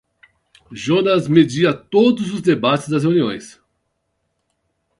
Jonas medeia todos os debates das reuniões.